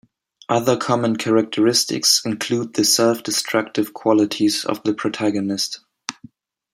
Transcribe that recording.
Other common characteristics include the self-destructive qualities of the protagonist.